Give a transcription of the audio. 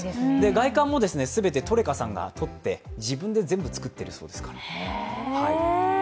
外観も全てトレカさんが撮って自分で全部作っているそうです。